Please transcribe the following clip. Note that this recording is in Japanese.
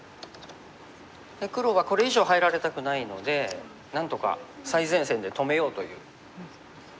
黒はこれ以上入られたくないので何とか最前線で止めようという。